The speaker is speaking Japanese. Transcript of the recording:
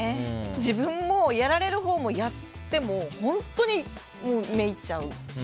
自分がやられるほうでもやっても、本当に滅入っちゃうし。